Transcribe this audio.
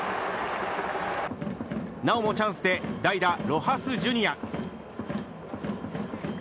なおもチャンスで代打、ロハス・ジュニア。